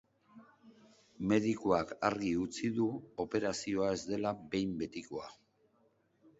Medikuak argi utzi du operazioa ez dela behin betikoa.